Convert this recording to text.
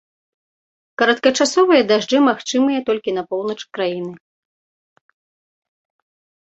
Кароткачасовыя дажджы магчымыя толькі на поўначы краіны.